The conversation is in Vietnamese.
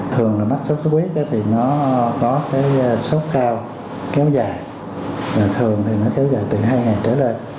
thường mắc sốt xuất huyết có sốt cao kéo dài thường kéo dài từ hai ngày trở lên